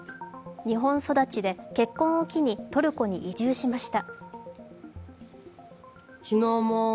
日本育ちで結婚を機にトルコに移住しました。